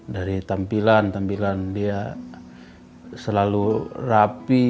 dari tampilan tampilan dia selalu rapi